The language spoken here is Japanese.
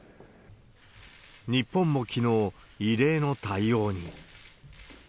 日本もきのう、異例の対応に。